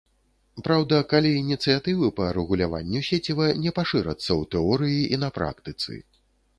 Праўда, калі ініцыятывы па рэгуляванню сеціва не пашырацца ў тэорыі і на практыцы.